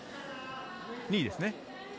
２位ですね。